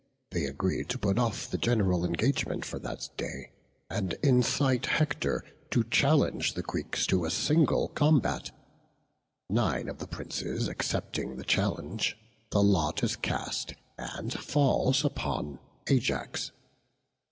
They agree to put off the general engagement for that day, and incite Hector to challenge the Greeks to a single combat. Nine of the princes accepting the challenge, the lot is cast, and falls upon Ajax.